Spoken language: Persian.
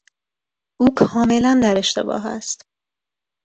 او کاملا در اشتباه است.